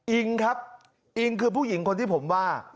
อิงครับอิงคือผู้หญิงคนที่ผมว่า